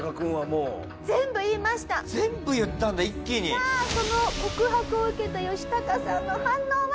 さあその告白を受けたヨシタカさんの反応は。